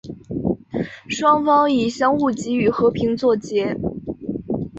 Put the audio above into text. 双方以相互给予和平作结。